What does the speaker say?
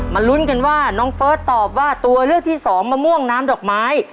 ลุ้นกันว่าน้องเฟิร์สตอบว่าตัวเลือกที่สองมะม่วงน้ำดอกไม้